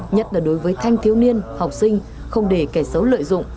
nhất là đối với thanh thiếu niên học sinh không để kẻ xấu lợi dụng